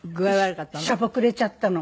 しょぼくれちゃったの。